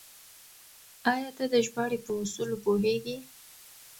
آيا ته د ژباړې په اصولو پوهېږې؟